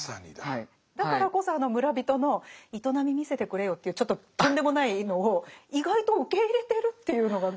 だからこそあの村人の「営み見せてくれよ」っていうちょっととんでもないのを意外と受け入れてるっていうのが。